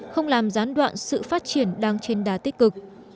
không làm gián đoạn sự phát triển đang trên đá tích cực